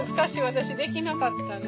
私できなかったね。